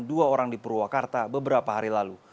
dua orang di purwakarta beberapa hari lalu